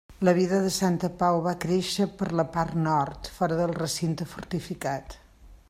La vila de Santa Pau va créixer per la part nord, fora del recinte fortificat.